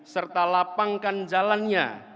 serta lapangkan jalannya